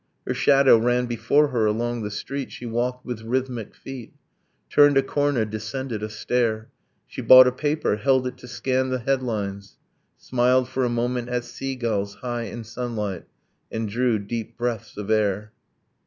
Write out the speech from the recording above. Her shadow ran before her along the street, She walked with rhythmic feet, Turned a corner, descended a stair. She bought a paper, held it to scan the headlines, Smiled for a moment at sea gulls high in sunlight, And drew deep breaths of air.